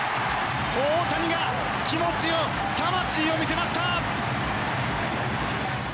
大谷が気持ちを魂を見せました！